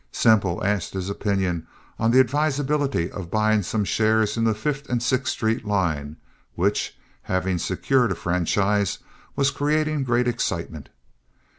Semple asked his opinion as to the advisability of buying some shares in the Fifth and Sixth Street line, which, having secured a franchise, was creating great excitement.